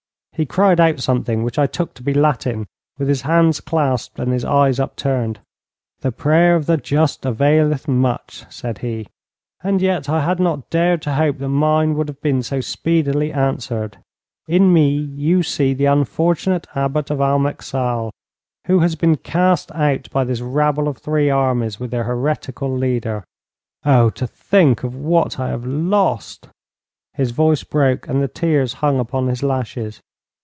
He cried out something which I took to be Latin, with his hands clasped and his eyes upturned. 'The prayer of the just availeth much,' said he, 'and yet I had not dared to hope that mine would have been so speedily answered. In me you see the unfortunate Abbot of Almeixal, who has been cast out by this rabble of three armies with their heretical leader. Oh! to think of what I have lost!' his voice broke, and the tears hung upon his lashes.